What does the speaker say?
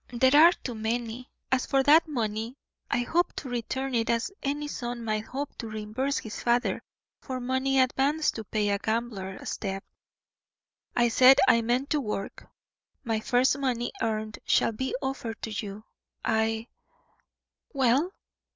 They are too many. As for that money, I hoped to return it as any son might hope to reimburse his father for money advanced to pay a gambler's debt. I said I meant to work. My first money earned shall be offered to you. I " "Well?